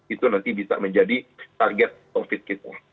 itu nanti bisa menjadi target covid kita